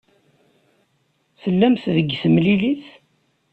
Tellamt deg temlilit?